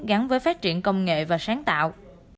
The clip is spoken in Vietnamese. gắn với phát triển công nghệ và sáng tạo